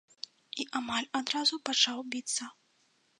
І амаль адразу пачаў біцца.